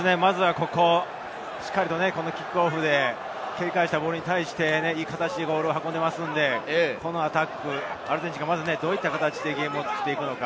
しっかりとキックオフで蹴り返したボールに対して、いい形でボールを運んでいますので、このアタック、アルゼンチンがどういった形でゲームを作っていくのか。